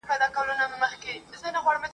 د هغې د وس خبره نه ده